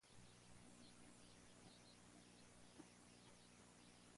¿Cuántas enmiendas de la Constitución han sido revocadas?